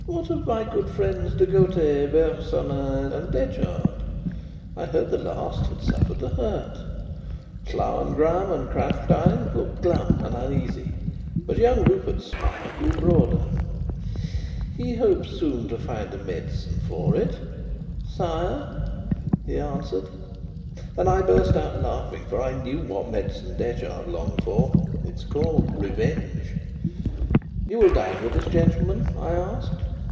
What of my good friends, De Gautet, Bersonin, and Detchard? I heard the last had suffered a hurt." Lauengram and Krafstein looked glum and uneasy, but young Rupert's smile grew broader. "He hopes soon to find a medicine for it, sire," he answered. And I burst out laughing, for I knew what medicine Detchard longed for it is called Revenge. "You will dine with us, gentlemen?" I asked.